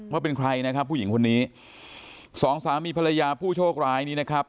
ว่าเป็นใครนะครับผู้หญิงคนนี้สองสามีภรรยาผู้โชคร้ายนี้นะครับ